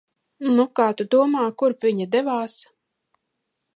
Nu, kā tu domā, kurp viņa devās?